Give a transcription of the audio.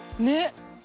ねっ。